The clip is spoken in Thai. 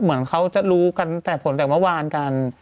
เหมือนเขาจะรู้กันแต่ผลแต่เมื่อวานกัน